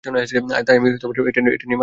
তাই আমি এটা নিয়ে মাথা ঘামাচ্ছি না।